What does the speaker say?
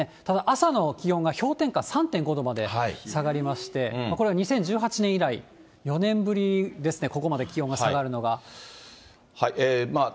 ただ、朝の気温が氷点下３．５度まで下がりまして、これは２０１８年以来４年ぶりですね、ここまで気温が下がるのが。